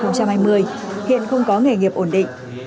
năm hai nghìn một mươi hiện không có nghề nghiệp ổn định